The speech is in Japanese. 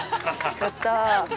◆やった。